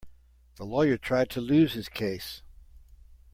The lawyer tried to lose his case.